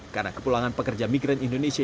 karena kepulangan pekerja migran indonesia